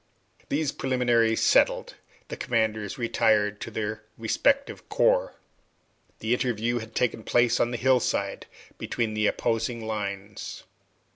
These preliminaries settled, the commanders retired to their respective corps. The interview had taken place on the hillside between the opposing lines.